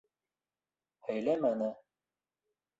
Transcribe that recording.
Һөйләмәне.